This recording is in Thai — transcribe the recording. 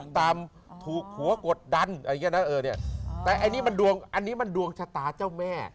ตามถูกหัวกดดันแต่อันนี้มันดวงชะตาเจ้าแม่